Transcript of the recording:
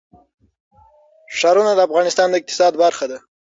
ښارونه د افغانستان د اقتصاد برخه ده.